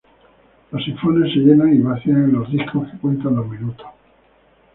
Los sifones se llenan y vacían en los discos que cuentan los minutos.